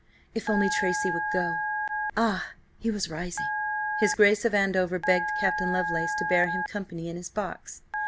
If only Tracy would go! Ah! he was rising! His Grace of Andover begged Captain Lovelace to bear him company in his box.